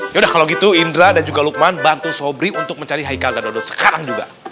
ya udah kalau gitu indra dan juga lukman bantu sobri untuk mencari haikal dan dodot sekarang juga